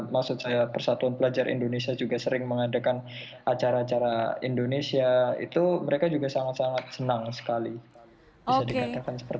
maksud saya persatuan pelajar indonesia juga sering mengadakan acara acara indonesia itu mereka juga sangat sangat senang sekali bisa dikatakan seperti itu